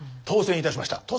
当選いたしました。